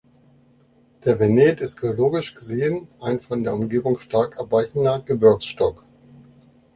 Der Venet ist geologisch gesehen ein von der Umgebung stark abweichender Gebirgsstock.